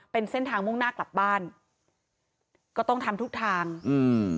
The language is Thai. เป็นเส้นทางมุ่งหน้ากลับบ้านก็ต้องทำทุกทางอืม